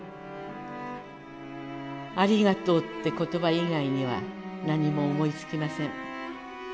ありがとうって言葉以外には何も思いつきません。